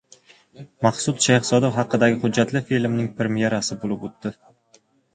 Maqsud Shayxzoda haqidagi hujjatli filmning premyerasi bo‘lib o‘tdi